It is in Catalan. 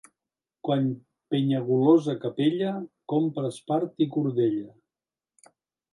Quan Penyagolosa capella, compra espart i cordella.